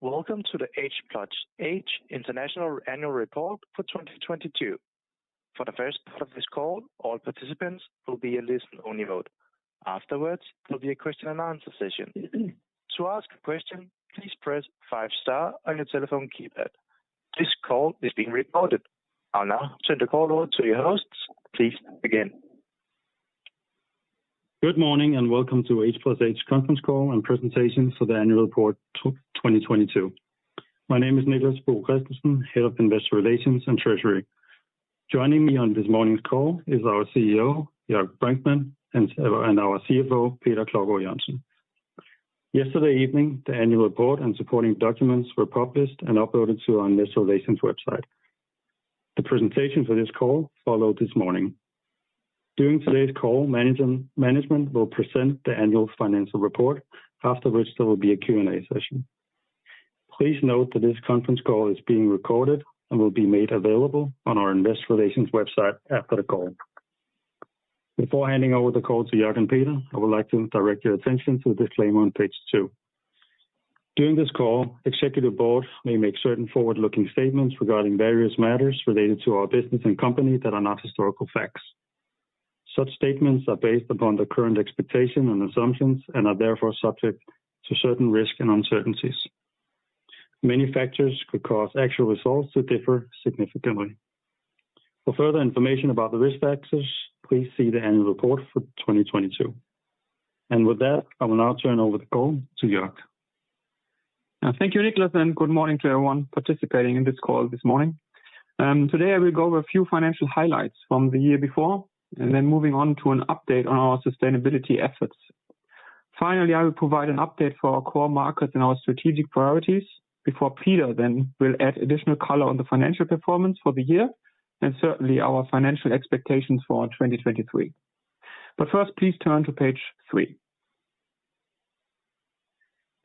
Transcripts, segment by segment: Welcome to the H+H International Annual Report for 2022. For the first part of this call, all participants will be in listen-only mode. Afterwards, there'll be a question and answer session. To ask a question, please press five star on your telephone keypad. This call is being recorded. I'll now turn the call over to your hosts. Please begin. Good morning, welcome to H+H conference call and presentations for the annual report 2022. My name is Niclas Bo Kristensen, Head of Investor Relations and Treasury. Joining me on this morning's call is our CEO, Jörg Brinkmann, and our CFO, Peter Klovgaard-Jørgensen. Yesterday evening, the annual report and supporting documents were published and uploaded to our investor relations website. The presentation for this call followed this morning. During today's call, management will present the annual financial report. Afterwards, there will be a Q&A session. Please note that this conference call is being recorded and will be made available on our investor relations website after the call. Before handing over the call to Jörg and Peter, I would like to direct your attention to the disclaimer on page two. During this call, executive board may make certain forward-looking statements regarding various matters related to our business and company that are not historical facts. Such statements are based upon the current expectation and assumptions and are therefore subject to certain risks and uncertainties. Many factors could cause actual results to differ significantly. For further information about the risk factors, please see the annual report for 2022. With that, I will now turn over the call to Jörg. Thank you, Niclas, and good morning to everyone participating in this call this morning. Today I will go over a few financial highlights from the year before and then moving on to an update on our sustainability efforts. Finally, I will provide an update for our core markets and our strategic priorities before Peter then will add additional color on the financial performance for the year and certainly our financial expectations for 2023. First, please turn to page three.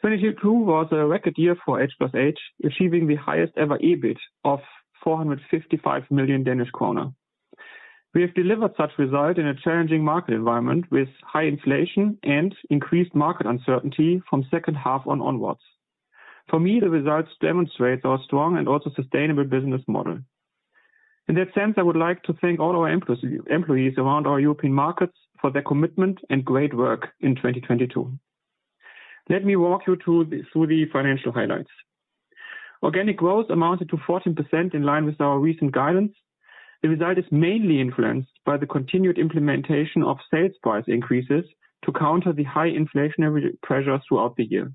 2022 was a record year for H+H, achieving the highest ever EBIT of 455 million Danish kroner. We have delivered such result in a challenging market environment with high inflation and increased market uncertainty from second half on onwards. For me, the results demonstrate our strong and also sustainable business model. In that sense, I would like to thank all our employees around our European markets for their commitment and great work in 2022. Let me walk you through the financial highlights. Organic growth amounted to 14% in line with our recent guidance. The result is mainly influenced by the continued implementation of sales price increases to counter the high inflationary pressures throughout the year.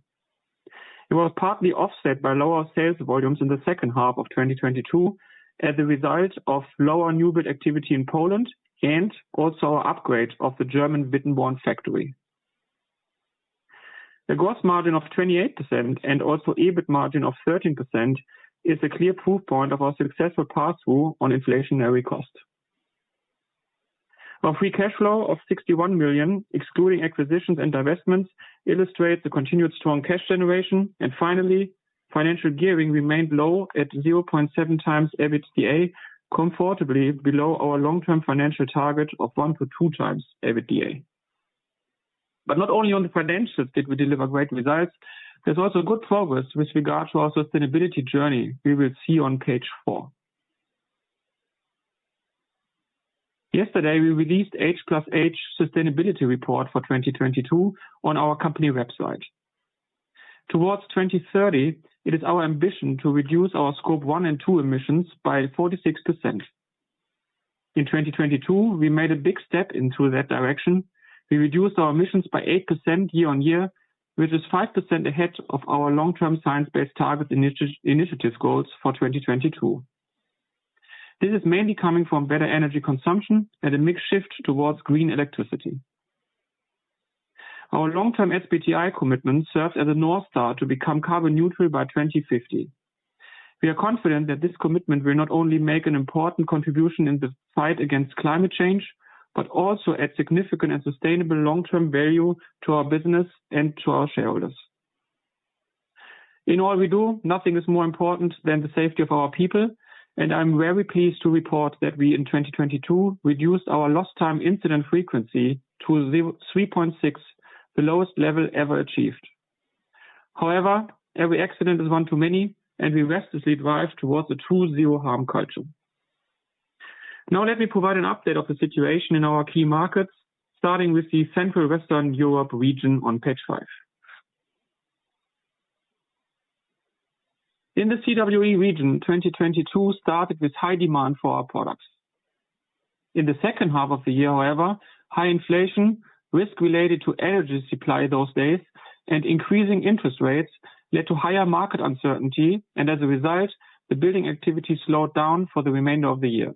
It was partly offset by lower sales volumes in the second half of 2022 as a result of lower new build activity in Poland and also our upgrade of the German Wittenborn factory. The gross margin of 28% and also EBIT margin of 13% is a clear proof point of our successful pass-through on inflationary costs. Our free cash flow of 61 million, excluding acquisitions and divestments, illustrates the continued strong cash generation. Finally, financial gearing remained low at 0.7x EBITDA, comfortably below our long-term financial target of 1x-2x EBITDA. Not only on the financials did we deliver great results, there's also good progress with regard to our sustainability journey we will see on page four. Yesterday, we released H+H sustainability report for 2022 on our company website. Towards 2030, it is our ambition to reduce our Scope 1 and 2 emissions by 46%. In 2022, we made a big step into that direction. We reduced our emissions by 8% year-on-year, which is 5% ahead of our long-term Science Based Targets initiative goals for 2022. This is mainly coming from better energy consumption and a mixed shift towards green electricity. Our long-term SBTi commitment serves as a North Star to become carbon neutral by 2050. We are confident that this commitment will not only make an important contribution in the fight against climate change, but also add significant and sustainable long-term value to our business and to our shareholders. I'm very pleased to report that we in 2022 reduced our lost time incident frequency to 3.6, the lowest level ever achieved. Every accident is one too many, and we restlessly drive towards a true zero harm culture. Let me provide an update of the situation in our key markets, starting with the Central Western Europe region on page five. In the CWE region, 2022 started with high demand for our products. In the second half of the year, however, high inflation, risk related to energy supply those days, and increasing interest rates led to higher market uncertainty, and as a result, the building activity slowed down for the remainder of the year.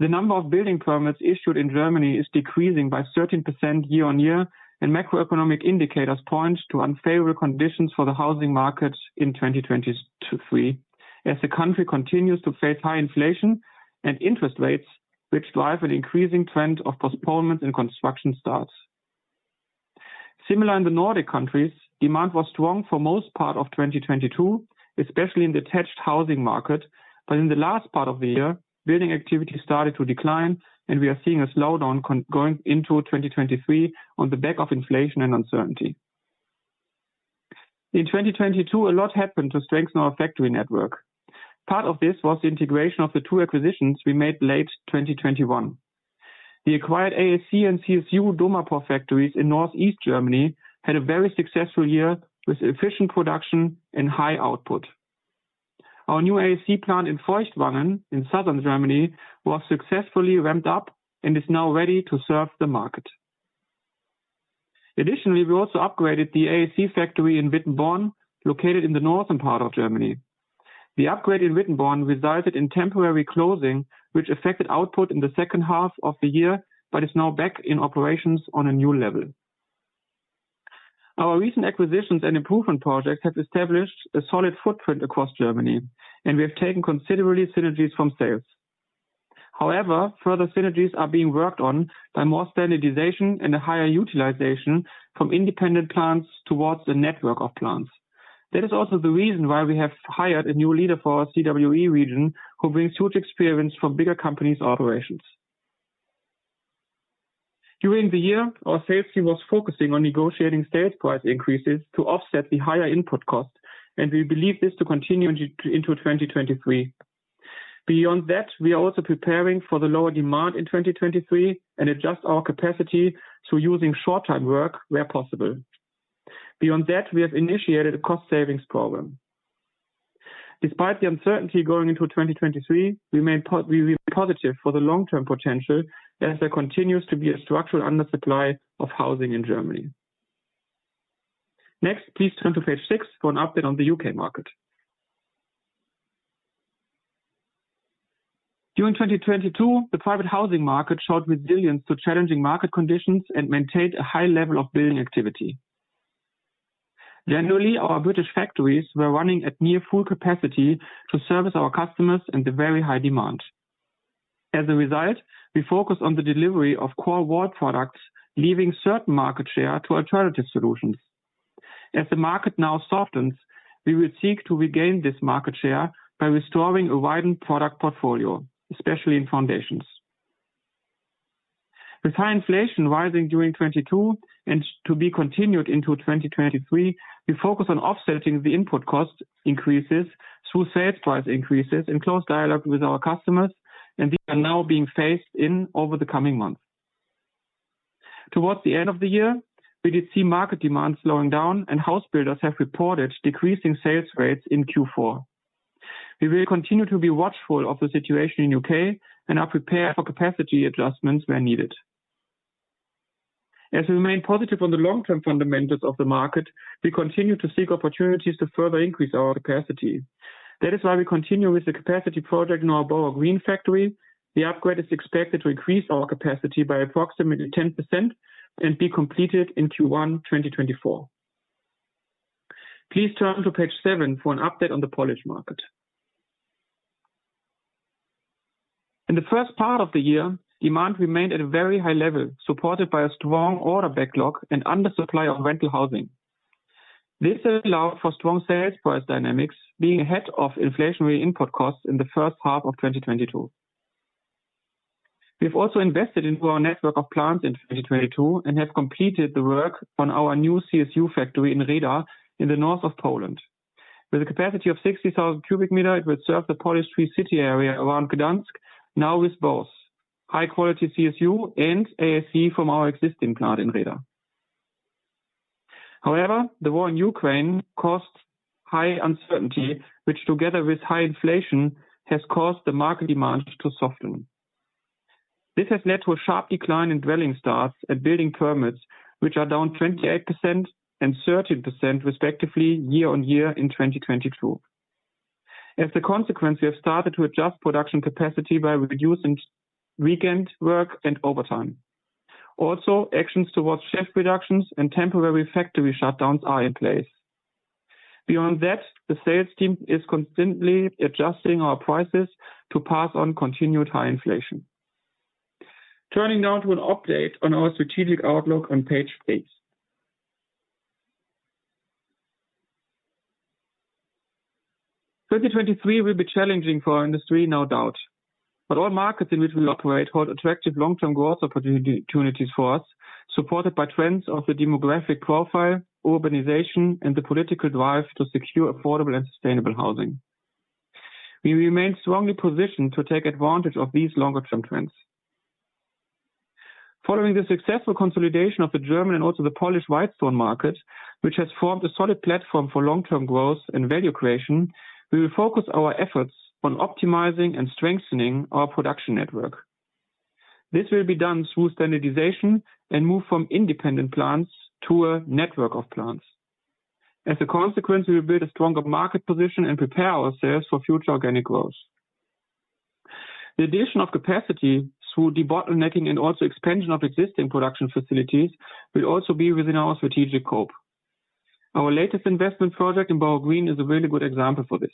The number of building permits issued in Germany is decreasing by 13% year-on-year. Macroeconomic indicators point to unfavorable conditions for the housing market in 2023 as the country continues to face high inflation and interest rates, which drive an increasing trend of postponements and construction starts. Similar in the Nordic countries, demand was strong for most part of 2022, especially in detached housing market. In the last part of the year, building activity started to decline, and we are seeing a slowdown going into 2023 on the back of inflation and uncertainty. In 2022, a lot happened to strengthen our factory network. Part of this was the integration of the two acquisitions we made late 2021. The acquired AAC and CSU DOMAPOR factories in Northeast Germany had a very successful year with efficient production and high output. Our new AAC plant in Feuchtwangen in Southern Germany was successfully ramped up and is now ready to serve the market. Additionally, we also upgraded the AAC factory in Wittenborn, located in the northern part of Germany. The upgrade in Wittenborn resulted in temporary closing, which affected output in the second half of the year, but is now back in operations on a new level. Our recent acquisitions and improvement projects have established a solid footprint across Germany, and we have taken considerable synergies from sales. However, further synergies are being worked on by more standardization and a higher utilization from independent plants towards the network of plants. That is also the reason why we have hired a new leader for our CWE region, who brings huge experience from bigger companies' operations. During the year, our sales team was focusing on negotiating sales price increases to offset the higher input costs, and we believe this to continue into 2023. Beyond that, we are also preparing for the lower demand in 2023 and adjust our capacity through using short time work where possible. Beyond that, we have initiated a cost savings program. Despite the uncertainty going into 2023, we remain positive for the long term potential as there continues to be a structural undersupply of housing in Germany. Please turn to page six for an update on the U.K. market. During 2022, the private housing market showed resilience to challenging market conditions and maintained a high level of building activity. Generally, our British factories were running at near full capacity to service our customers and the very high demand. As a result, we focused on the delivery of core wall products, leaving certain market share to alternative solutions. As the market now softens, we will seek to regain this market share by restoring a widened product portfolio, especially in foundations. With high inflation rising during 2022 and to be continued into 2023, we focus on offsetting the input cost increases through sales price increases in close dialogue with our customers. These are now being phased in over the coming months. Towards the end of the year, we did see market demand slowing down and house builders have reported decreasing sales rates in Q4. We will continue to be watchful of the situation in U.K. and are prepared for capacity adjustments where needed. As we remain positive on the long term fundamentals of the market, we continue to seek opportunities to further increase our capacity. That is why we continue with the capacity project in our Borough Green factory. The upgrade is expected to increase our capacity by approximately 10% and be completed in Q1 2024. Please turn to page seven for an update on the Polish market. In the first part of the year, demand remained at a very high level, supported by a strong order backlog and undersupply of rental housing. This allowed for strong sales price dynamics being ahead of inflationary input costs in the first half of 2022. We've also invested into our network of plants in 2022 and have completed the work on our new CSU factory in Radom in the north of Poland. With a capacity of 60,000 cubic meters, it will serve the Polish Tri-City area around Gdańsk now with both high quality CSU and AAC from our existing plant in Radom. However, the war in Ukraine caused high uncertainty, which together with high inflation, has caused the market demand to soften. This has led to a sharp decline in dwelling starts and building permits, which are down 28% and 13% respectively year-on-year in 2022. As a consequence, we have started to adjust production capacity by reducing weekend work and overtime. Actions towards shift reductions and temporary factory shutdowns are in place. Beyond that, the sales team is constantly adjusting our prices to pass on continued high inflation. Turning now to an update on our strategic outlook on page eight. 2023 will be challenging for our industry, no doubt. All markets in which we operate hold attractive long-term growth opportunities for us, supported by trends of the demographic profile, urbanization, and the political drive to secure affordable and sustainable housing. We remain strongly positioned to take advantage of these longer-term trends. Following the successful consolidation of the German and also the Polish white-stone market, which has formed a solid platform for long-term growth and value creation, we will focus our efforts on optimizing and strengthening our production network. This will be done through standardization and move from independent plants to a network of plants. As a consequence, we will build a stronger market position and prepare ourselves for future organic growth. The addition of capacity through debottlenecking and also expansion of existing production facilities will also be within our strategic scope. Our latest investment project in Borough Green is a really good example for this.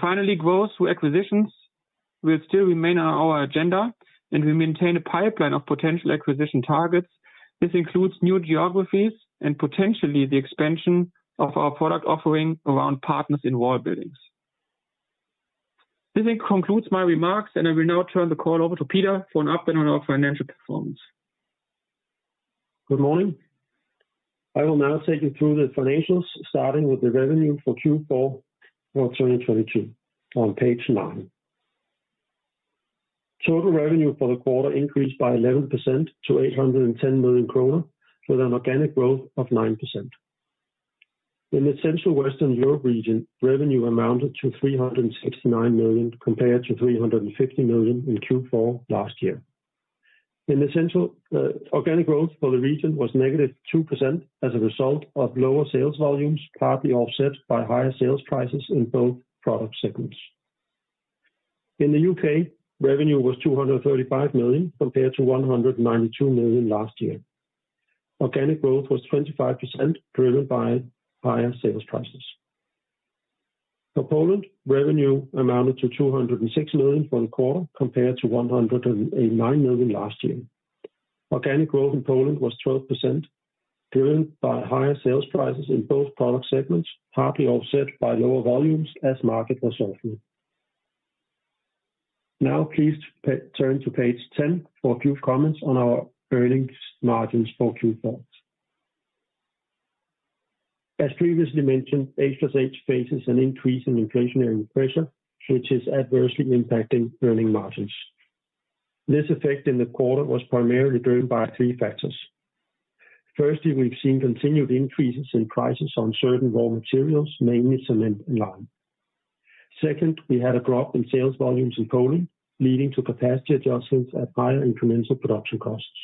Finally, growth through acquisitions will still remain on our agenda, and we maintain a pipeline of potential acquisition targets. This includes new geographies and potentially the expansion of our product offering around Partners in Wall Building. This concludes my remarks. I will now turn the call over to Peter for an update on our financial performance. Good morning. I will now take you through the financials, starting with the revenue for Q4 of 2022 on page nine. Total revenue for the quarter increased by 11% to 810 million kroner, with an organic growth of 9%. In the Central Western Europe region, revenue amounted to 369 million, compared to 350 million in Q4 last year. Organic growth for the region was -2% as a result of lower sales volumes, partly offset by higher sales prices in both product segments. In the U.K., revenue was 235 million, compared to 192 million last year. Organic growth was 25%, driven by higher sales prices. For Poland, revenue amounted to 206 million for the quarter, compared to 189 million last year. Organic growth in Poland was 12%, driven by higher sales prices in both product segments, partly offset by lower volumes as market was softening. Please turn to page 10 for a few comments on our earning margins for Q4. As previously mentioned, H+H faces an increase in inflationary pressure, which is adversely impacting earning margins. This effect in the quarter was primarily driven by three factors. Firstly, we've seen continued increases in prices on certain raw materials, mainly cement and lime. Second, we had a drop in sales volumes in Poland, leading to capacity adjustments at higher incremental production costs.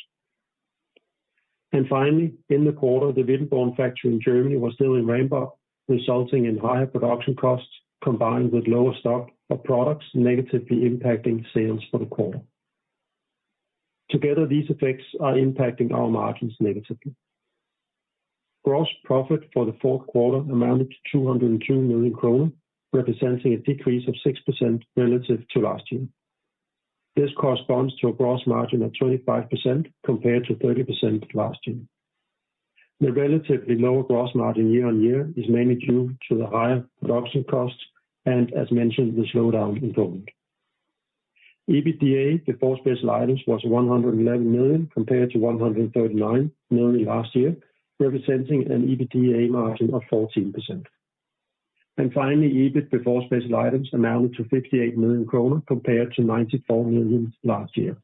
Finally, in the quarter, the Wittenborn factory in Germany was still in ramp-up, resulting in higher production costs combined with lower stock of products negatively impacting sales for the quarter. Together, these effects are impacting our margins negatively. Gross profit for the fourth quarter amounted to 202 million kroner, representing a decrease of 6% relative to last year. This corresponds to a gross margin of 25%, compared to 30% last year. The relatively lower gross margin year-on-year is mainly due to the higher production costs and, as mentioned, the slowdown in Poland. EBITDA before special items was 111 million, compared to 139 million last year, representing an EBITDA margin of 14%. Finally, EBIT before special items amounted to 58 million kroner, compared to 94 million last year.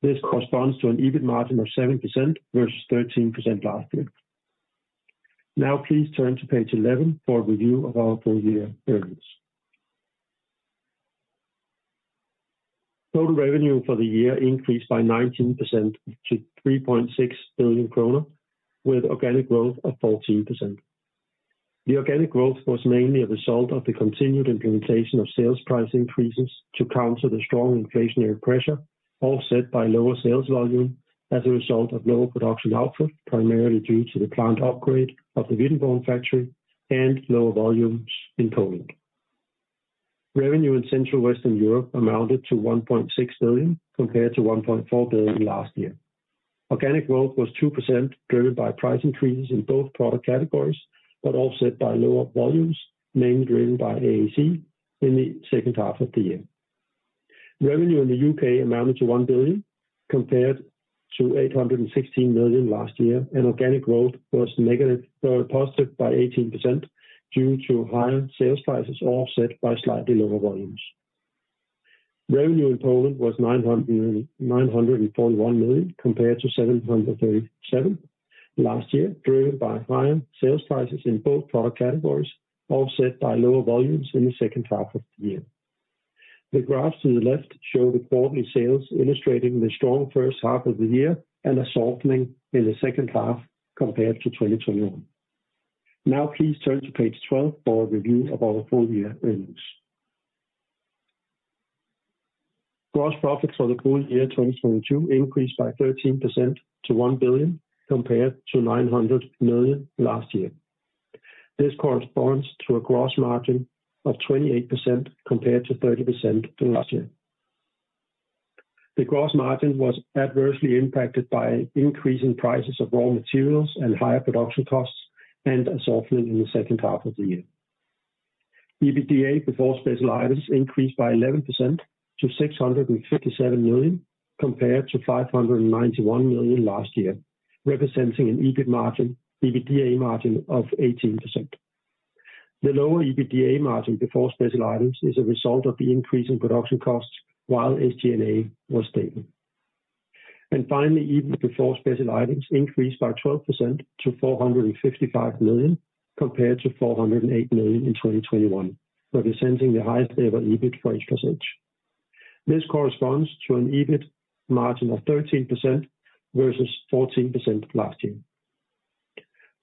This corresponds to an EBIT margin of 7% versus 13% last year. Please turn to page 11 for a review of our full year earnings. Total revenue for the year increased by 19% to 3.6 billion kroner, with organic growth of 14%. The organic growth was mainly a result of the continued implementation of sales price increases to counter the strong inflationary pressure, offset by lower sales volume as a result of lower production output, primarily due to the plant upgrade of the Wittenborn factory and lower volumes in Poland. Revenue in Central Western Europe amounted to 1.6 billion, compared to 1.4 billion last year. Organic growth was 2%, driven by price increases in both product categories, offset by lower volumes, mainly driven by AAC in the second half of the year. Revenue in the U.K. amounted to 1 billion, compared to 816 million last year, organic growth was negative, or positive by 18% due to higher sales prices offset by slightly lower volumes. Revenue in Poland was 941 million, compared to 737 million last year, driven by higher sales prices in both product categories, offset by lower volumes in the second half of the year. The graphs to the left show the quarterly sales illustrating the strong first half of the year and a softening in the second half compared to 2021. Please turn to page 12 for a review of our full year earnings. Gross profits for the full year 2022 increased by 13% to 1 billion, compared to 900 million last year. This corresponds to a gross margin of 28%, compared to 30% last year. The gross margin was adversely impacted by increasing prices of raw materials and higher production costs, and a softening in the second half of the year. EBITDA before special items increased by 11% to 657 million, compared to 591 million last year, representing an EBITDA margin of 18%. The lower EBITDA margin before special items is a result of the increase in production costs while SG&A was stable. Finally, EBIT before special items increased by 12% to 455 million, compared to 408 million in 2021, representing the highest ever EBIT for H+H. This corresponds to an EBIT margin of 13% versus 14% last year.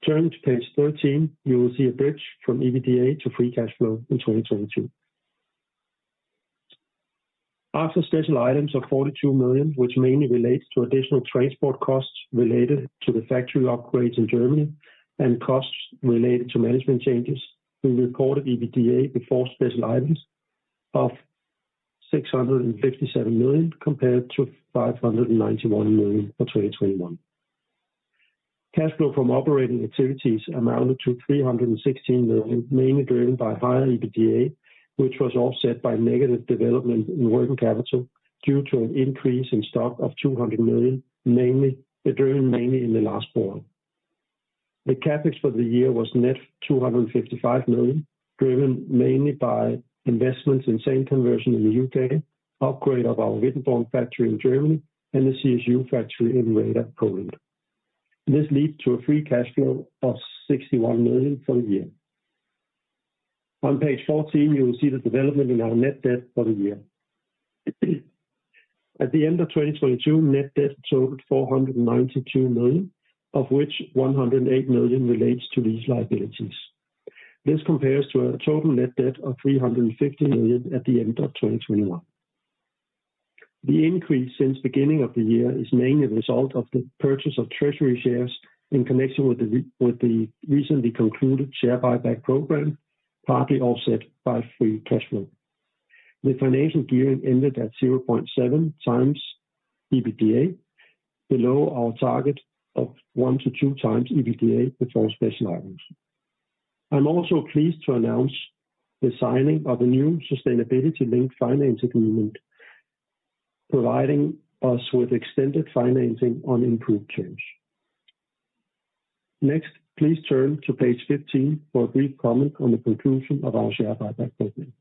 Turning to page 13, you will see a bridge from EBITDA to free cash flow in 2022. After special items of 42 million, which mainly relates to additional transport costs related to the factory upgrades in Germany and costs related to management changes, we reported EBITDA before special items of 657 million, compared to 591 million for 2021. Cash flow from operating activities amounted to 316 million, mainly driven by higher EBITDA, which was offset by negative development in working capital due to an increase in stock of 200 million, driven mainly in the last quarter. The CapEx for the year was net 255 million, driven mainly by investments in Thin-Joint conversion in the U.K., upgrade of our Wittenborn factory in Germany, and the CSU factory in Radom, Poland. This leads to a free cash flow of 61 million for the year. On page 14, you will see the development in our net debt for the year. At the end of 2022, net debt totaled 492 million, of which 108 million relates to these liabilities. This compares to a total net debt of 350 million at the end of 2021. The increase since beginning of the year is mainly a result of the with the recently concluded share buyback program, partly offset by free cash flow. The financial gearing ended at 0.7x EBITDA, below our target of 1x-2x EBITDA before special items. I'm also pleased to announce the signing of the new sustainability-linked finance agreement, providing us with extended financing on improved terms. Please turn to page 15 for a brief comment on the conclusion of our share buyback program.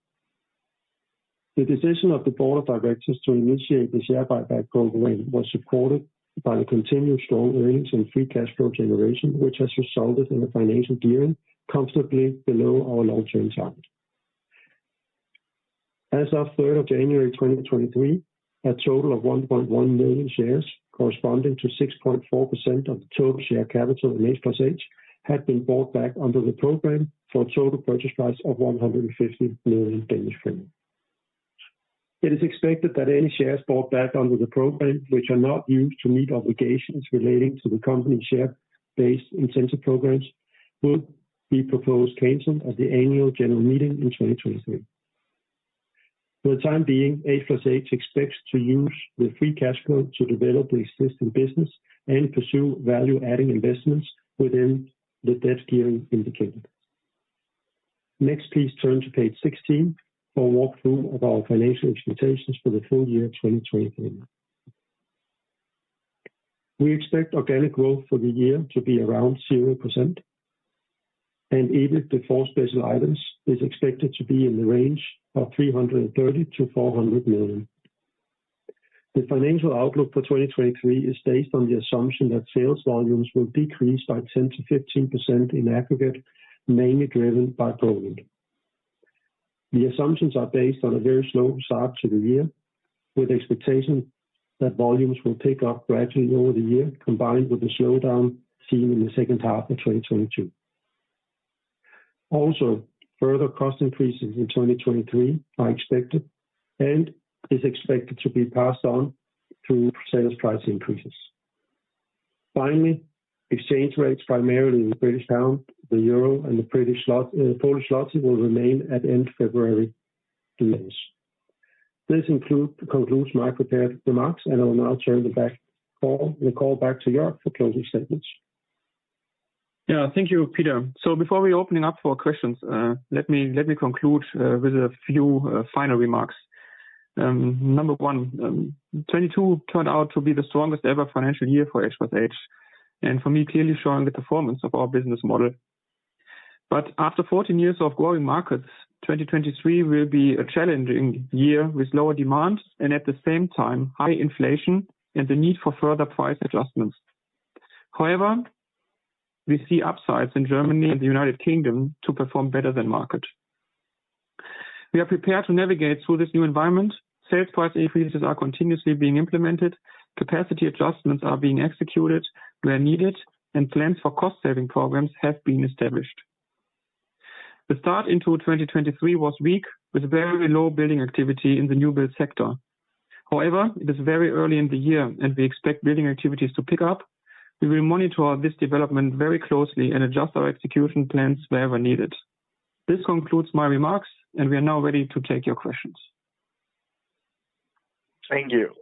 The decision of the board of directors to initiate the share buyback program was supported by the continued strong earnings and free cash flow generation, which has resulted in a financial gearing comfortably below our long-term target. As of 3rd of January, 2023, a total of 1.1 million shares corresponding to 6.4% of the total share capital in H+H had been bought back under the program for a total purchase price of DKK 150 million. It is expected that any shares bought back under the program which are not used to meet obligations relating to the company share-based incentive programs will be proposed canceled at the annual general meeting in 2023. For the time being, H+H expects to use the free cash flow to develop the existing business and pursue value-adding investments within the debt gearing indicated. Next, please turn to page 16 for a walkthrough of our financial expectations for the full year 2023. We expect organic growth for the year to be around 0%, and EBIT before special items is expected to be in the range of 330 million-400 million. The financial outlook for 2023 is based on the assumption that sales volumes will decrease by 10%-15% in aggregate, mainly driven by Poland. The assumptions are based on a very slow start to the year, with expectation that volumes will pick up gradually over the year, combined with the slowdown seen in the second half of 2022. Further cost increases in 2023 are expected and is expected to be passed on through sales price increases. Exchange rates primarily in the British pound, the euro, and the Polish Zloty will remain at end-February levels. This concludes my prepared remarks, I will now turn the call back to Jörg for closing statements. Yeah. Thank you, Peter. Before we opening up for questions, let me conclude with a few final remarks. Number one, 2022 turned out to be the strongest ever financial year for H+H, and for me, clearly showing the performance of our business model. After 14 years of growing markets, 2023 will be a challenging year with lower demand and at the same time, high inflation and the need for further price adjustments. However, we see upsides in Germany and the United Kingdom to perform better than market. We are prepared to navigate through this new environment. Sales price increases are continuously being implemented, capacity adjustments are being executed where needed, and plans for cost-saving programs have been established. The start into 2023 was weak, with very low building activity in the new-build sector. However, it is very early in the year, and we expect building activities to pick up. We will monitor this development very closely and adjust our execution plans wherever needed. This concludes my remarks, and we are now ready to take your questions. Thank you.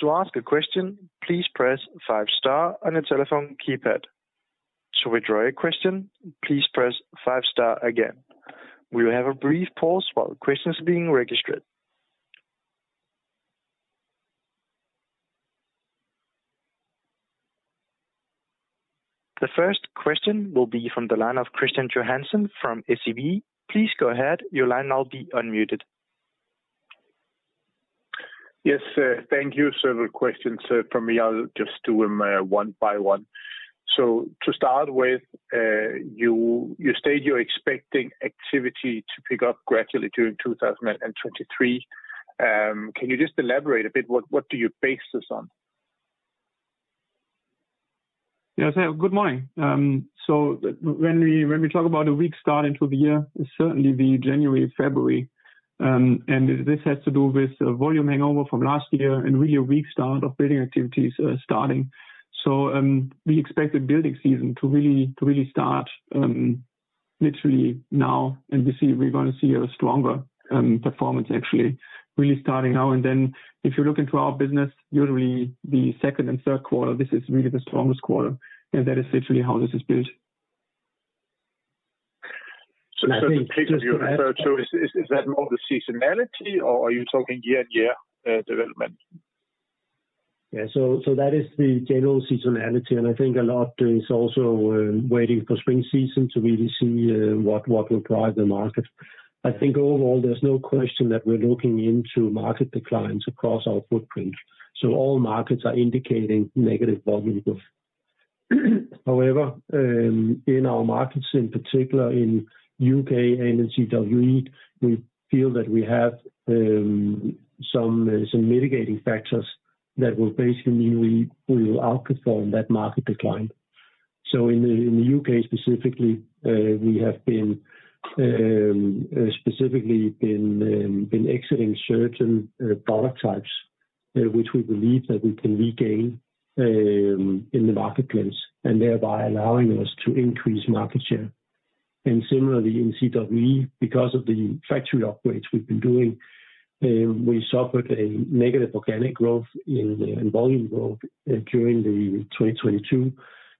To ask a question, please press five star on your telephone keypad. To withdraw your question, please press five star again. We will have a brief pause while questions are being registered. The first question will be from the line of Kristian Johansen from SEB. Please go ahead. Your line now will be unmuted. Yes, thank you. Several questions from me. I'll just do them one by one. To start with, you state you're expecting activity to pick up gradually during 2023. Can you just elaborate a bit? What do you base this on? Yes. Good morning. When we talk about a weak start into the year, it's certainly the January, February. This has to do with volume hangover from last year and really a weak start of building activities starting. We expect the building season to really start Literally now, and we're gonna see a stronger performance actually really starting now and then. If you look into our business, usually the second and third quarter, this is really the strongest quarter, and that is literally how this is built. Certain pictures you referred to, is that more the seasonality or are you talking year-on-year development? That is the general seasonality. I think a lot is also waiting for spring season to really see what will drive the market. I think overall, there's no question that we're looking into market declines across our footprint. All markets are indicating negative volume growth. However, in our markets in particular in U.K. and in CWE, we feel that we have some mitigating factors that will basically we will outperform that market decline. In the U.K. specifically, we have been specifically been exiting certain product types, which we believe that we can regain in the marketplace and thereby allowing us to increase market share. Similarly in CWE, because of the factory upgrades we've been doing, we suffered a negative organic growth and volume growth during 2022,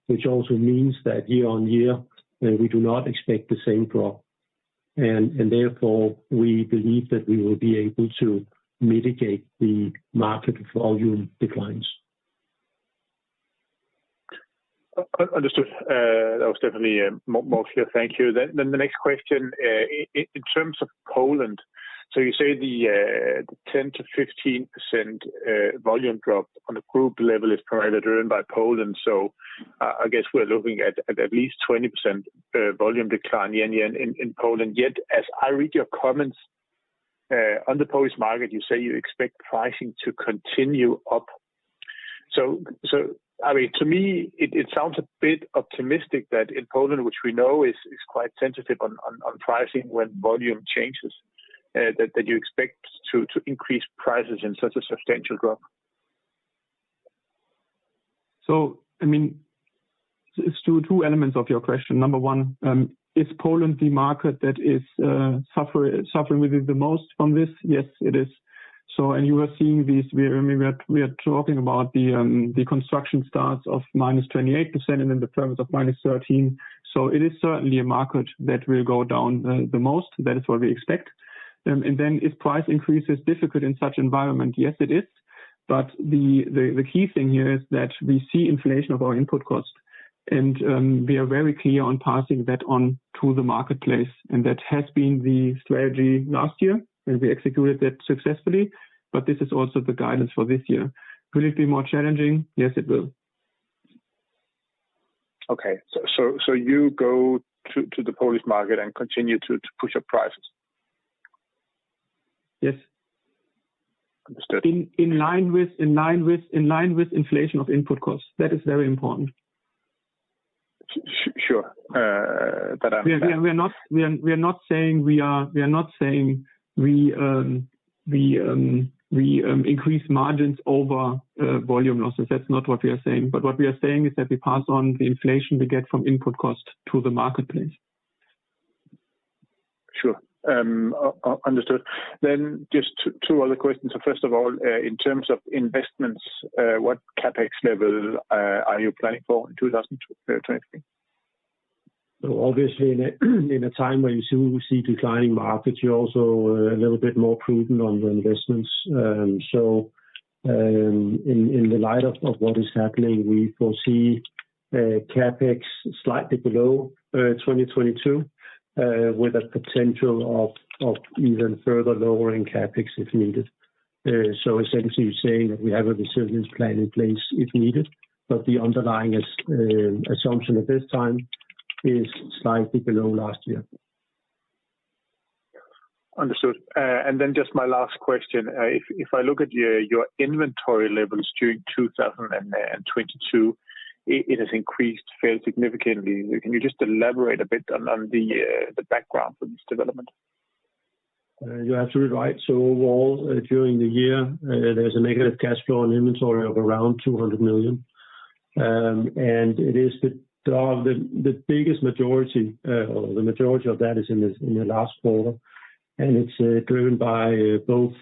which also means that year-on-year, we do not expect the same drop. Therefore, we believe that we will be able to mitigate the market volume declines. Understood. That was definitely more clear. Thank you. Then the next question. In terms of Poland, you say the 10% to 15% volume drop on a group level is primarily driven by Poland. I guess we're looking at at least 20% volume decline year-on-year in Poland. Yet, as I read your comments on the Polish market, you say you expect pricing to continue up. I mean, to me it sounds a bit optimistic that in Poland, which we know is quite sensitive on pricing when volume changes, that you expect to increase prices in such a substantial drop. I mean, it's two2 elements of your question. Number one, is Poland the market that is suffering with it the most from this? Yes, it is. You are seeing this, I mean, we are talking about the construction starts of -28% and then the permits of -13%. It is certainly a market that will go down the most. That is what we expect. Is price increase difficult in such environment? Yes, it is. The key thing here is that we see inflation of our input cost, and we are very clear on passing that on to the marketplace. That has been the strategy last year, and we executed that successfully, but this is also the guidance for this year. Will it be more challenging? Yes, it will. Okay. So you go to the Polish market and continue to push up prices? Yes. Understood. In line with inflation of input costs. That is very important. Sure. We are not saying we increase margins over volume losses. That's not what we are saying. What we are saying is that we pass on the inflation we get from input costs to the marketplace. Sure. Understood. Just two other questions. First of all, in terms of investments, what CapEx level are you planning for in 2023? Obviously in a time where you see declining markets, you're also a little bit more prudent on the investments. In the light of what is happening, we foresee CapEx slightly below 2022, with a potential of even further lowering CapEx if needed. Essentially saying that we have a resilience plan in place if needed, but the underlying assumption at this time is slightly below last year. Understood. Just my last question. If I look at your inventory levels during 2022, it has increased fairly significantly. Can you just elaborate a bit on the background for this development? You're absolutely right. overall, during the year, there's a negative cash flow on inventory of around 200 million. it is the biggest majority, or the majority of that is in the last quarter. it's driven by both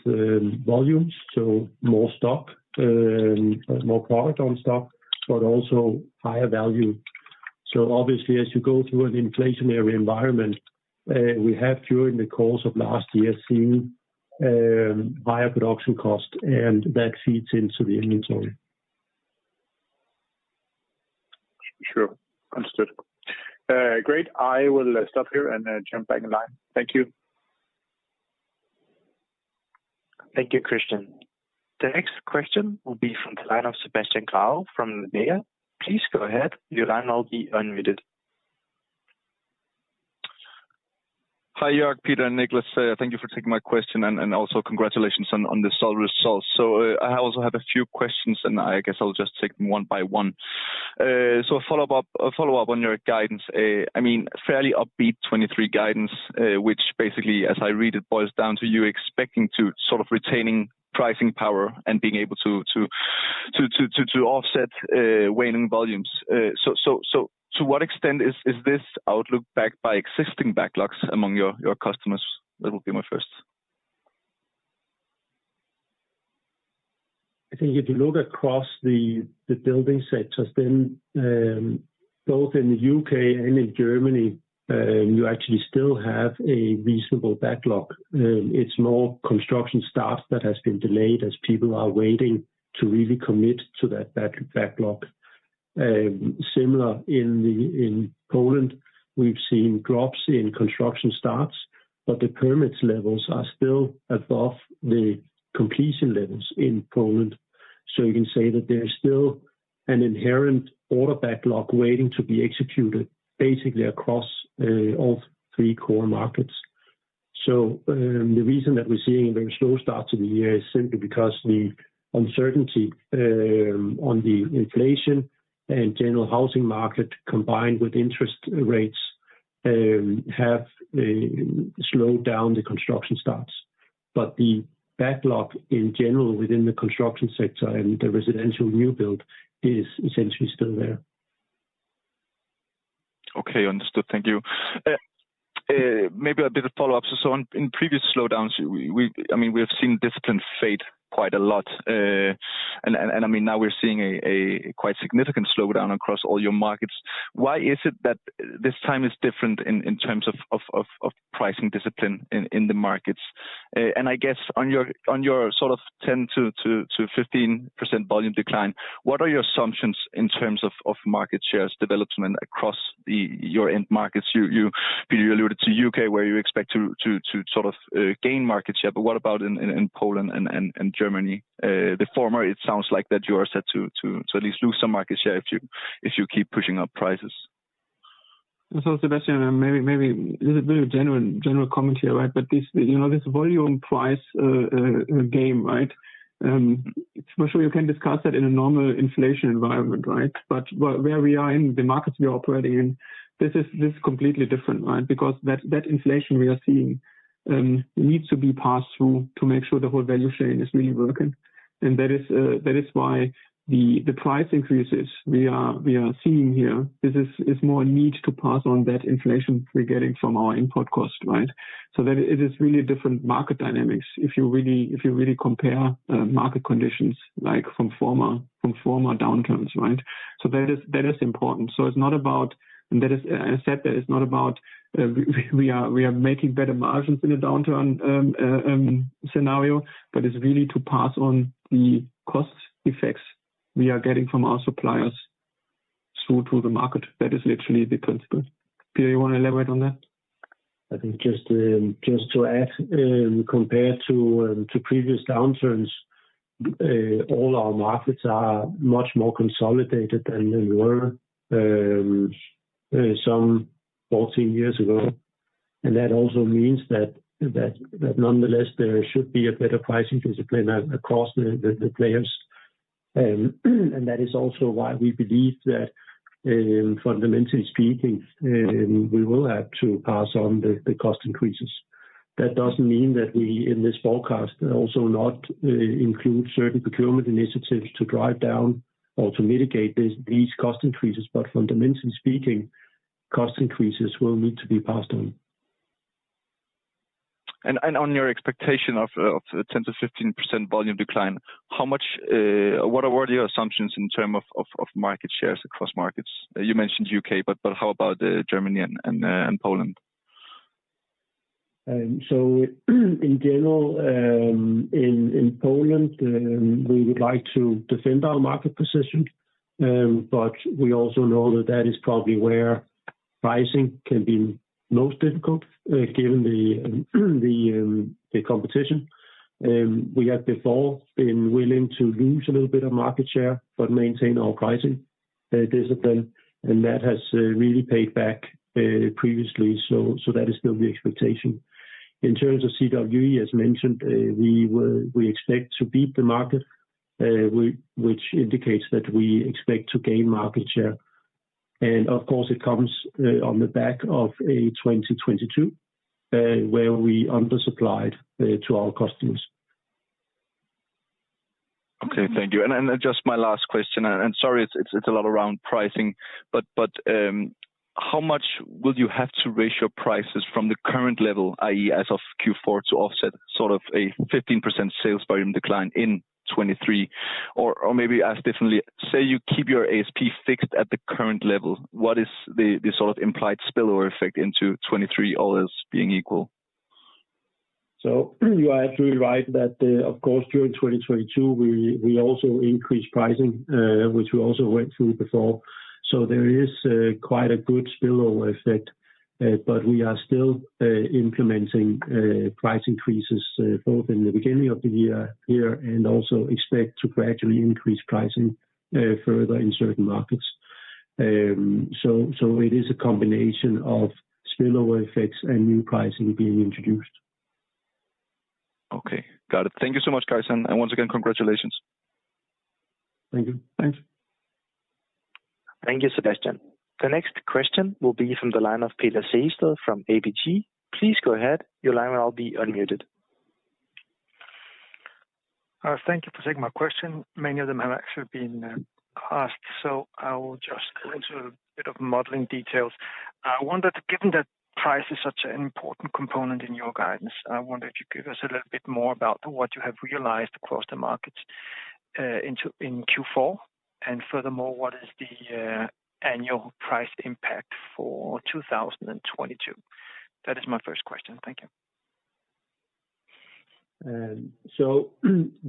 volumes, so more stock, more product on stock, but also higher value. obviously, as you go through an inflationary environment, we have during the course of last year seen higher production cost, and that feeds into the inventory. Sure. Understood. great. I will stop here and jump back in line. Thank you. Thank you, Kristian. The next question will be from the line of Sebastian Grave from Nordea. Please go ahead. Your line will be unmuted. Hi, Jörg, Peter, and Niclas. Thank you for taking my question and also congratulations on the sale results. I also have a few questions, and I guess I'll just take them one by one. A follow-up on your guidance. I mean, fairly upbeat 2023 guidance, which basically, as I read it, boils down to you expecting to sort of retaining pricing power and being able to offset waning volumes. To what extent is this outlook backed by existing backlogs among your customers? That will be my first. I think if you look across the building sectors, then, both in the U.K. and in Germany, you actually still have a reasonable backlog. It's more construction staff that has been delayed as people are waiting to really commit to that backlog. Similar in Poland, we've seen drops in construction starts, but the permits levels are still above the completion levels in Poland. You can say that there is still an inherent order backlog waiting to be executed, basically across all three core markets. The reason that we're seeing very slow starts in the year is simply because the uncertainty on the inflation and general housing market, combined with interest rates, have slowed down the construction starts. The backlog in general within the construction sector and the residential new build is essentially still there. Okay. Understood. Thank you. Maybe a bit of follow-up. On previous slowdowns, we I mean, we have seen discipline fade quite a lot. I mean, now we're seeing a quite significant slowdown across all your markets. Why is it that this time is different in terms of pricing discipline in the markets? I guess on your, on your sort of 10%-15% volume decline, what are your assumptions in terms of market shares development across your end markets? Peter, you alluded to U.K., where you expect to sort of gain market share, but what about in Poland and Germany? The former, it sounds like that you are set to at least lose some market share if you keep pushing up prices. Sebastian, maybe this is a very general comment here, right? But this, you know, this volume price game, right? Especially you can discuss that in a normal inflation environment, right? But where we are in the markets we operate in, this is completely different, right? Because that inflation we are seeing, needs to be passed through to make sure the whole value chain is really working. That is why the price increases we are seeing here is more a need to pass on that inflation we're getting from our input cost, right? That it is really different market dynamics if you really compare market conditions like from former downturns, right? That is important. It's not about... That is, as I said, that is not about, we are making better margins in a downturn, scenario, but it's really to pass on the cost effects we are getting from our suppliers through to the market. That is literally the principle. Peter, you wanna elaborate on that? I think just to add, compared to previous downturns, all our markets are much more consolidated than they were, some 14 years ago. That also means that, nonetheless there should be a better pricing discipline across the players. That is also why we believe that, fundamentally speaking, we will have to pass on the cost increases. That doesn't mean that we in this forecast also not, include certain procurement initiatives to drive down or to mitigate these cost increases. Fundamentally speaking, cost increases will need to be passed on. On your expectation of 10%-15% volume decline, what are all your assumptions in term of market shares across markets? You mentioned U.K., but how about Germany and Poland? In general, in Poland, we would like to defend our market position, but we also know that that is probably where pricing can be most difficult, given the competition. We have before been willing to lose a little bit of market share but maintain our pricing discipline, and that has really paid back previously. That is still the expectation. In terms of CWE, as mentioned, we expect to beat the market, which indicates that we expect to gain market share. Of course, it comes on the back of a 2022 where we undersupplied to our customers. Okay. Thank you. Just my last question, and sorry it's a lot around pricing, but how much will you have to raise your prices from the current level, i.e. as of Q4, to offset sort of a 15% sales volume decline in 2023? maybe ask differently. Say you keep your ASP fixed at the current level, what is the sort of implied spillover effect into 2023, all else being equal? You are absolutely right that, of course, during 2022, we also increased pricing, which we also went through before. There is quite a good spillover effect. We are still implementing price increases both in the beginning of the year and also expect to gradually increase pricing further in certain markets. It is a combination of spillover effects and new pricing being introduced. Okay. Got it. Thank You so much, guys. Once again, congratulations. Thank you. Thanks. Thank you, Sebastian. The next question will be from the line of Peter Sehested from ABG. Please go ahead. Your line will all be unmuted. Thank you for taking my question. Many of them have actually been asked, so I will just go into a bit of modeling details. I wonder, given that price is such an important component in your guidance, I wonder if you could give us a little bit more about what you have realized across the markets, into, in Q4. Furthermore, what is the annual price impact for 2022? That is my first question. Thank you.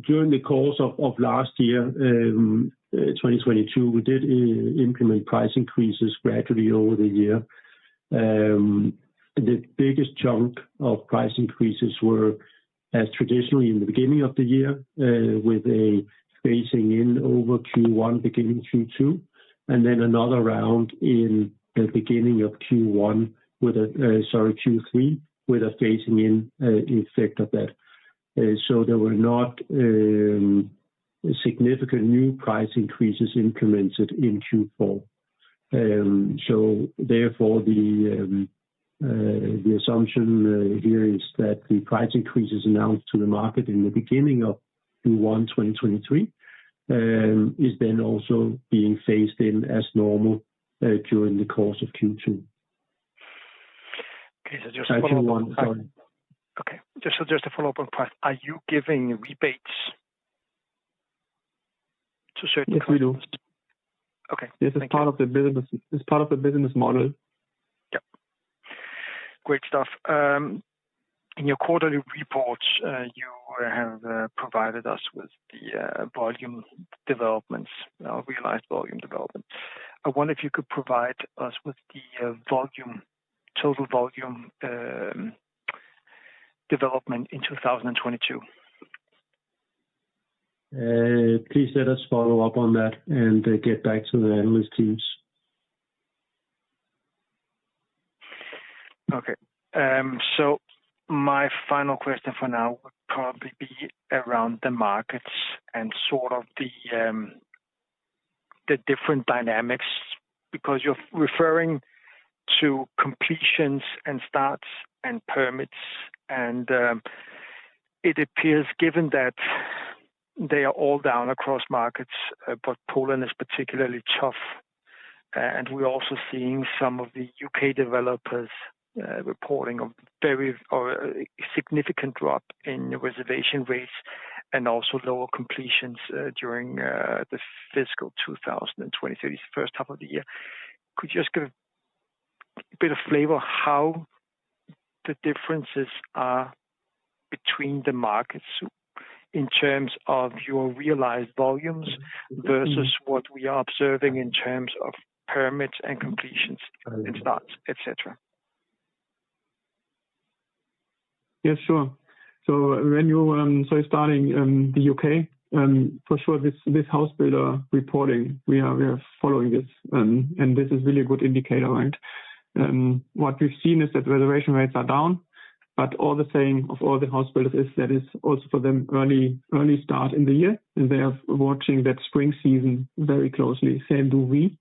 During the course of last year, 2022, we did implement price increases gradually over the year. The biggest chunk of price increases were as traditionally in the beginning of the year, with a phasing in over Q1, beginning Q2, and then another round in the beginning of Q3, with a phasing in effect of that. There were not significant new price increases implemented in Q4. Therefore the assumption here is that the price increases announced to the market in the beginning of Q1 2023, is then also being phased in as normal during the course of Q2. Okay. Just a follow-up. Q1, sorry. Okay. Just a follow-up on price. Are you giving rebates to certain- Yes, we do. Okay. Thank you. This is part of the business, it's part of the business model. Yeah. Great stuff. In your quarterly reports, you have provided us with the volume developments, realized volume development. I wonder if you could provide us with the volume, total volume, development in 2022. Please let us follow up on that and get back to the analyst teams. My final question for now would probably be around the markets and sort of the different dynamics, because you're referring to completions and starts and permits, and it appears given that they are all down across markets, but Poland is particularly tough. And we're also seeing some of the U.K. developers reporting a very or a significant drop in reservation rates and also lower completions during the fiscal 2023's first half of the year. Could you just give a bit of flavor how the differences are between the markets in terms of your realized volumes versus what we are observing in terms of permits and completions and starts, et cetera? Yeah, sure. Starting in the U.K., for sure this house builder reporting, we are following this is really a good indicator, right? What we've seen is that reservation rates are down, all the same of all the house builders is that is also for them early start in the year, they are watching that spring season very closely. Same do we.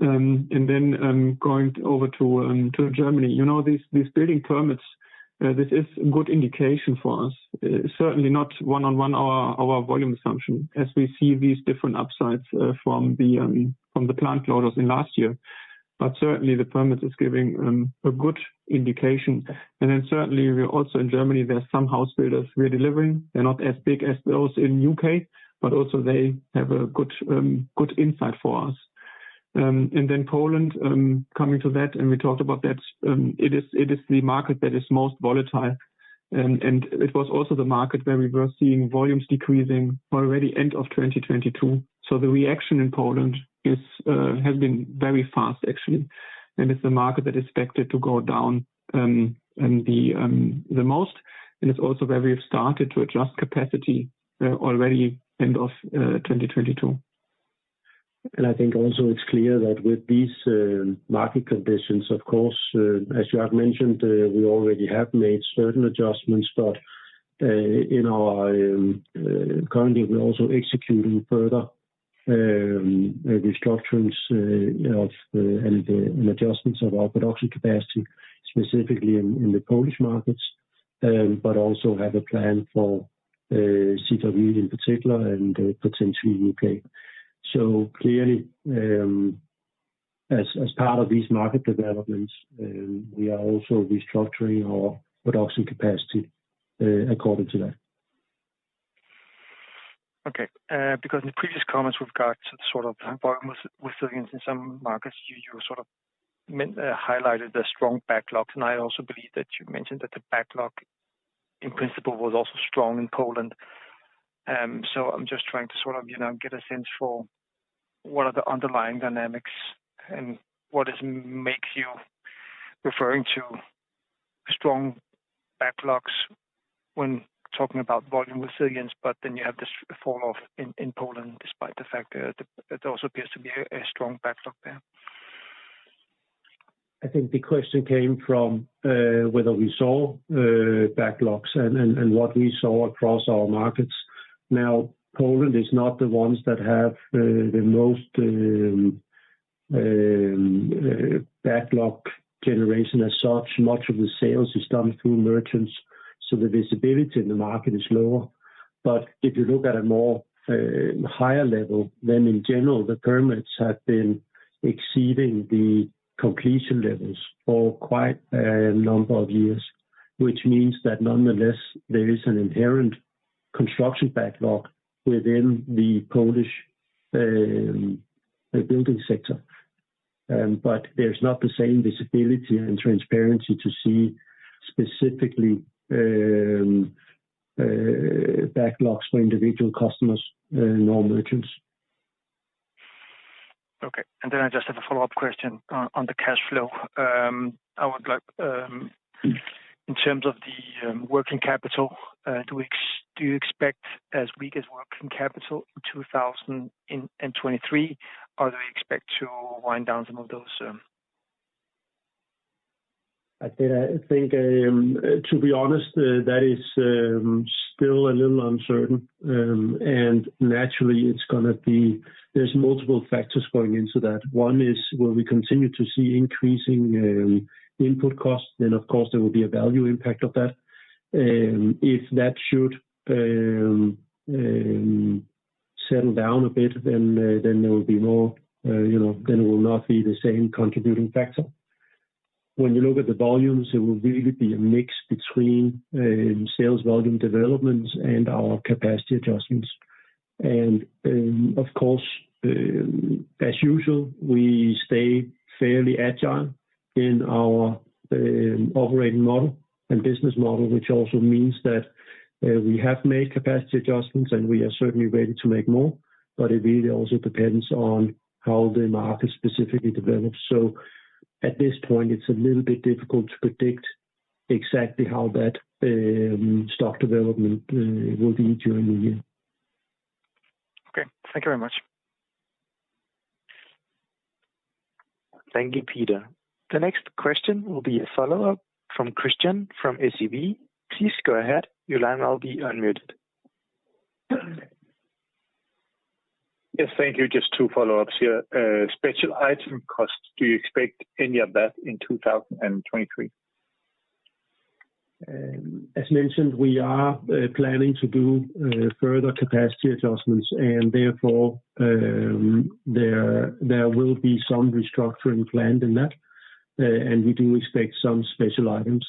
Then going over to Germany, you know, these building permits, this is a good indication for us. Certainly not one on one our volume assumption as we see these different upsides from the plant loaders in last year. Certainly the permit is giving a good indication. Certainly we're also in Germany, there are some house builders we're delivering. They're not as big as those in U.K., but also they have a good insight for us. Poland, coming to that, and we talked about that, it is the market that is most volatile. It was also the market where we were seeing volumes decreasing already end of 2022. The reaction in Poland is has been very fast actually, and it's the market that is expected to go down, the most. It's also where we have started to adjust capacity already end of 2022. I think also it's clear that with these market conditions, of course, as you have mentioned, we already have made certain adjustments. In our, currently we're also executing further restructurings, of, and adjustments of our production capacity, specifically in the Polish markets, but also have a plan for CW in particular and potentially U.K. Clearly, as part of these market developments, we are also restructuring our production capacity according to that. Okay. Because in the previous comments with regard to the sort of volume resilience in some markets, you sort of highlighted the strong backlogs, and I also believe that you mentioned that the backlog in principle was also strong in Poland. I'm just trying to sort of, you know, get a sense for what are the underlying dynamics and what makes you referring to strong backlogs when talking about volume resilience, but then you have this fall off in Poland, despite the fact that it also appears to be a strong backlog there. I think the question came from whether we saw backlogs and what we saw across our markets. Poland is not the ones that have the most backlog generation as such. Much of the sales is done through merchants, so the visibility in the market is lower. If you look at a more higher level, then in general, the permits have been exceeding the completion levels for quite a number of years, which means that nonetheless, there is an inherent construction backlog within the Polish building sector. There's not the same visibility and transparency to see specifically backlogs for individual customers, nor merchants. Okay. I just have a follow-up question on the cash flow. I would like in terms of the working capital, do you expect as weak as working capital in 2023, or do you expect to wind down some of those? I think, to be honest, that is still a little uncertain. Naturally there's multiple factors going into that. One is will we continue to see increasing input costs, then of course there will be a value impact of that. If that should settle down a bit then there will be more, you know, then it will not be the same contributing factor. When you look at the volumes, it will really be a mix between sales volume developments and our capacity adjustments. Of course, as usual, we stay fairly agile in our operating model and business model, which also means that we have made capacity adjustments, and we are certainly ready to make more, but it really also depends on how the market specifically develops. At this point, it's a little bit difficult to predict exactly how that stock development will be during the year. Okay. Thank you very much. Thank you, Peter. The next question will be a follow-up from Kristian from SEB. Please go ahead. Your line will be unmuted. Yes, thank you. Just two follow-ups here. Special item costs, do you expect any of that in 2023? As mentioned, we are planning to do further capacity adjustments and therefore, there will be some restructuring planned in that. We do expect some special items.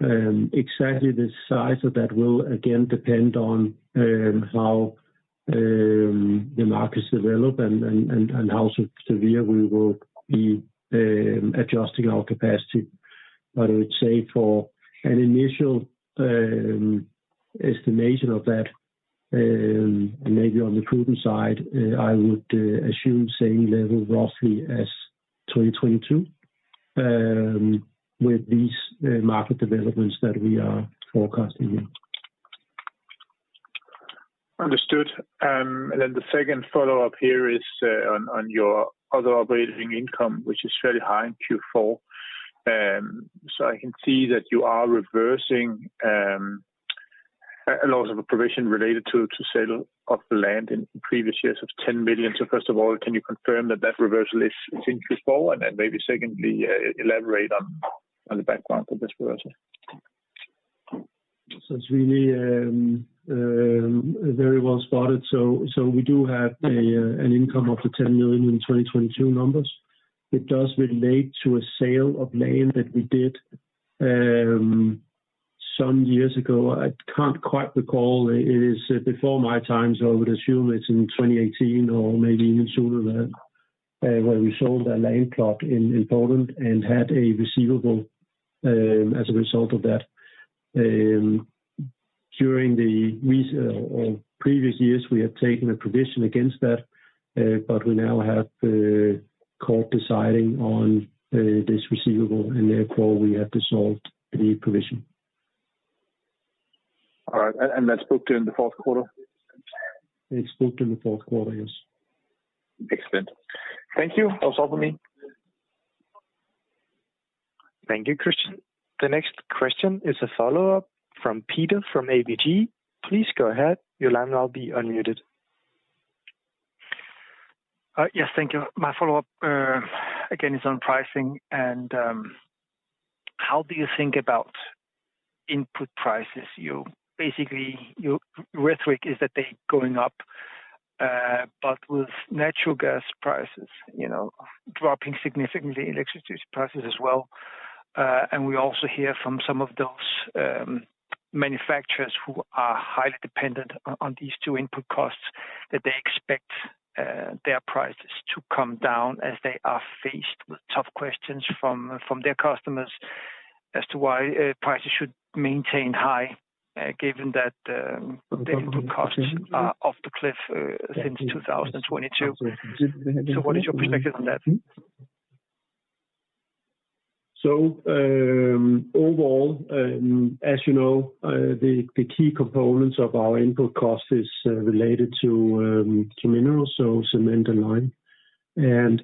Exactly the size of that will again depend on how the markets develop and how sort of severe we will be adjusting our capacity. I would say for an initial estimation of that, and maybe on the prudent side, I would assume same level roughly as 2022 with these market developments that we are forecasting here. Understood. The second follow-up here is on your other operating income, which is fairly high in Q4. I can see that you are reversing a lot of the provision related to settle of the land in previous years of 10 million. First of all, can you confirm that that reversal is in Q4? Maybe secondly, elaborate on the background of this reversal. it's really very well spotted. we do have an income of 10 million in 2022 numbers. It does relate to a sale of land that we did some years ago. I can't quite recall. It is before my time, so I would assume it's in 2018 or maybe even sooner than where we sold a land plot in Poland and had a receivable as a result of that. During the previous years, we have taken a provision against that, but we now have the court deciding on this receivable, and therefore we have dissolved the provision. All right. That's booked in the fourth quarter? It's booked in the fourth quarter, yes. Excellent. Thank you. That's all for me. Thank you, Kristian. The next question is a follow-up from Peter from ABG. Please go ahead. Your line will be unmuted. Yes, thank you. My follow-up, again, is on pricing and, how do you think about input prices? You basically, rhetoric is that they're going up, but with natural gas prices, you know, dropping significantly, electricity prices as well, and we also hear from some of those manufacturers who are highly dependent on these two input costs that they expect their prices to come down as they are faced with tough questions from their customers as to why prices should maintain high, given that the input costs are off the cliff, since 2022. What is your perspective on that? Overall, as you know, the key components of our input cost is related to minerals, so cement and lime.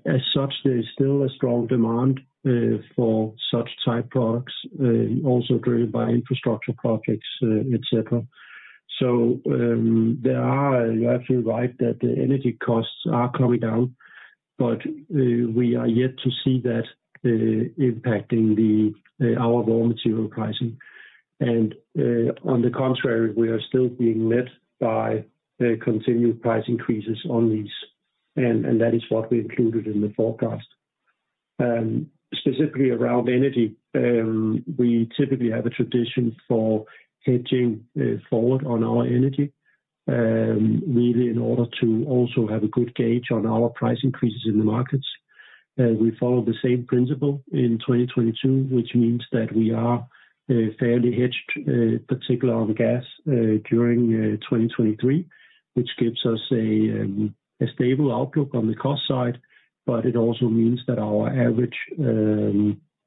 As such, there is still a strong demand for such type products, also driven by infrastructure projects, et cetera. You're absolutely right that the energy costs are coming down, but we are yet to see that impacting our raw material pricing. On the contrary, we are still being led by the continued price increases on these, and that is what we included in the forecast. Specifically around energy, we typically have a tradition for hedging forward on our energy, really in order to also have a good gauge on our price increases in the markets. We follow the same principle in 2022, which means that we are fairly hedged, particularly on gas, during 2023, which gives us a stable outlook on the cost side, but it also means that our average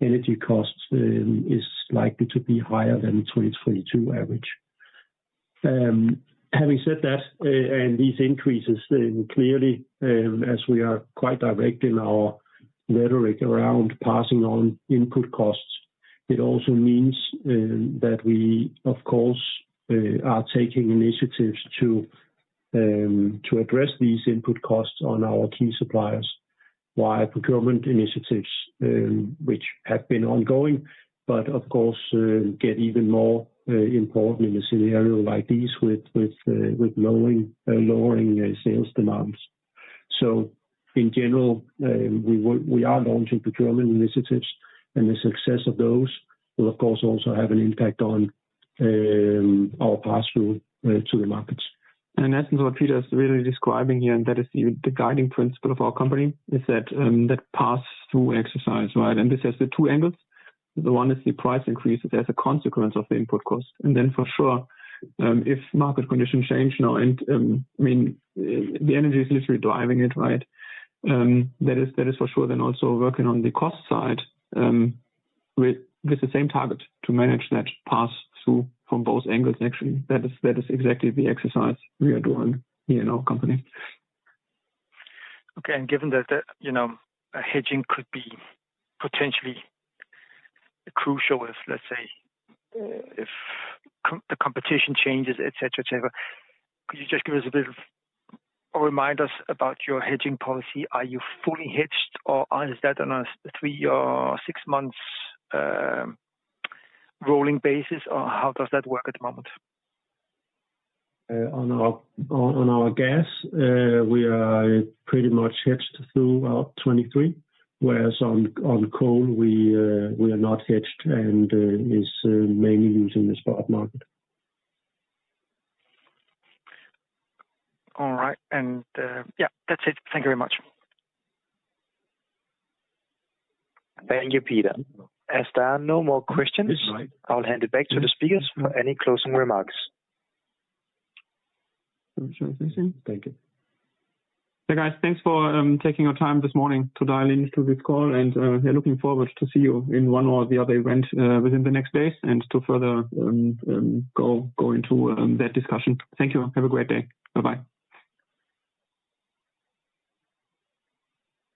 energy costs is likely to be higher than the 2022 average. Having said that, these increases then clearly, as we are quite direct in our rhetoric around passing on input costs, it also means that we, of course, are taking initiatives to address these input costs on our key suppliers via procurement initiatives, which have been ongoing, but of course, get even more important in a scenario like this with lowering sales demands. In general, we are launching procurement initiatives, and the success of those will of course also have an impact on our pass-through to the markets. In essence what Peter is really describing here, and that is the guiding principle of our company, is that pass-through exercise, right? This has the two angles. The one is the price increase as a consequence of the input cost. Then for sure, if market conditions change now and I mean, the energy is literally driving it, right? That is for sure then also working on the cost side, with the same target to manage that pass-through from both angles actually. That is exactly the exercise we are doing here in our company. Okay. Given that the, you know, hedging could be potentially crucial if, let's say, if the competition changes, et cetera, et cetera, could you just remind us about your hedging policy. Are you fully hedged or is that on a three or six months, rolling basis? How does that work at the moment? On our gas, we are pretty much hedged throughout 2023, whereas on coal, we are not hedged, and is mainly used in the spot market. All right. Yeah, that's it. Thank you very much. Thank you, Peter. As there are no more questions. That's right. I'll hand it back to the speakers for any closing remarks. Shall we say the same? Thank you. Hey, guys. Thanks for taking your time this morning to dial in to this call, and we are looking forward to see you in one or the other event within the next days and to further go into that discussion. Thank you. Have a great day. Bye-bye.